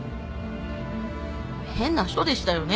変な人でしたよね。